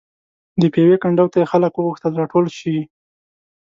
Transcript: د پېوې کنډو ته یې خلک وغوښتل راټول شي.